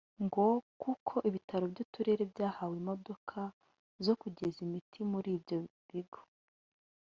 ngo kuko ibitaro by’uturere byahawe imodoka zo kugeza imiti muri ibyo bigo